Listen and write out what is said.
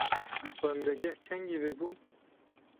Xwendegeh kengî vebû?